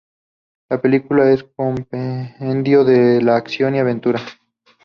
La película es un compendio de acción y aventura.